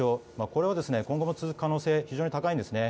これは今後も続く可能性が非常に高いんです。